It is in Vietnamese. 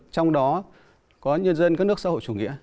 trong đó có nhân dân các nước xã hội chủ nghĩa